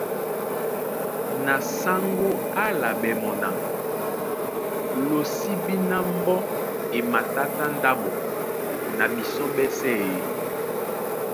Na sáŋgó á álaɓɛ́ mɔ́ ná:Lo sí bí ná mbɔ́ e matátá ndáɓo na bisɔ́ ɓɛ́sɛ̄ ē?